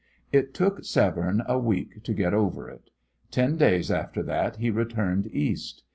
It took Severne a week to get over it. Ten days after that he returned East.